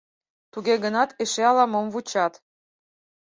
Туге гынат эше ала-мом вучат.